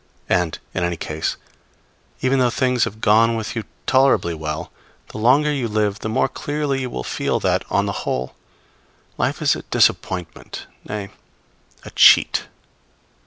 And, in any case, even though things have gone with you tolerably well, the longer you live the more clearly you will feel that, on the whole, life is a disappointment, nay, a cheat.